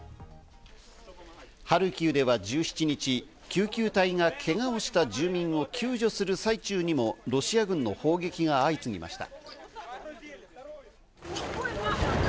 ハルキウでは１７日、救急隊がけがをした住民を救助する最中にもロシア軍の砲撃が相次ぎました。